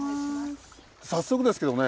早速ですけどね